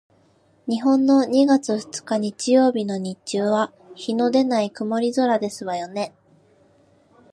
日本の二月二日日曜日の日中は日のでない曇り空ですわよね？